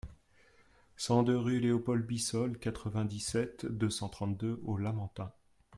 cent deux rue Leopold Bissol, quatre-vingt-dix-sept, deux cent trente-deux au Lamentin